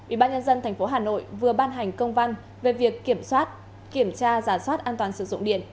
ubnd tp hà nội vừa ban hành công văn về việc kiểm soát kiểm tra giả soát an toàn sử dụng điện